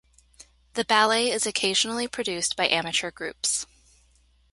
The ballet is occasionally produced by amateur groups.